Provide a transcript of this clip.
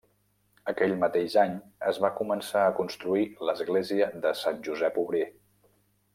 Aquell mateix any es va començar a construir l'església de Sant Josep Obrer.